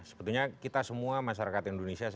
sebetulnya kita semua masyarakat indonesia